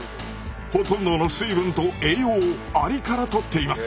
ほとんどの水分と栄養をアリからとっています。